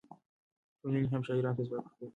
ټولنې الهام شاعرانو ته ځواک ورکوي.